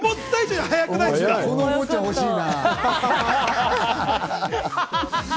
このおもちゃ欲しいな。